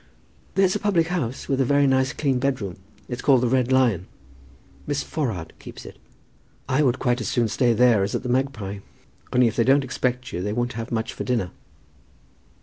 "There's a public house, with a very nice clean bedroom. It is called the 'Red Lion.' Mrs. Forrard keeps it. I would quite as soon stay there as at 'The Magpie.' Only if they don't expect you, they wouldn't have much for dinner."